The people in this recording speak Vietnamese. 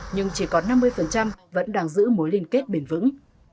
nhưng chỉ có năm mươi vẫn đang giữ mối liên kết bền vững